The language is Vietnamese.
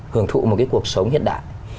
hưởng thụ một cái cuộc sống hiện đại